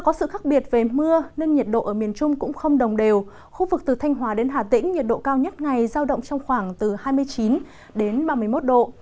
còn các tỉnh miền tây nhiệt độ cũng lên tới từ ba mươi ba đến ba mươi bốn độ